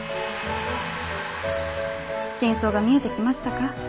真相が見えて来ましたか？